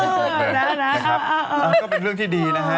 ก็เป็นเรื่องที่ดีนะฮะ